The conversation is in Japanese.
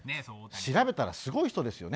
調べたらすごい人ですよ。